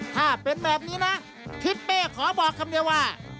ถ้าเป็นแบบนี้นะทิศเป้ขอบอกคำเดียวว่า